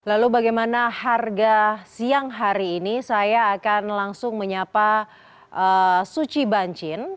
lalu bagaimana harga siang hari ini saya akan langsung menyapa suci bancin